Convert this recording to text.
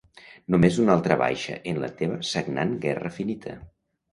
Només una altra baixa en la teva sagnant guerra finita.